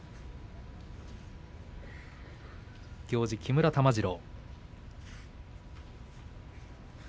行司は木村玉治郎。